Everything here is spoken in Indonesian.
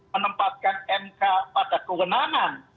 menempatkan mk pada kewenangan